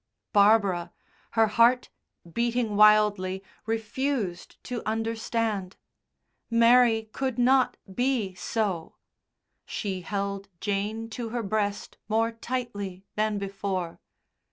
Barbara, her heart beating wildly, refused to understand; Mary could not be so. She held Jane to her breast more tightly than before.